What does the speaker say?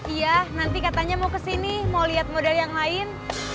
iya nanti katanya mau kesini mau lihat model yang lain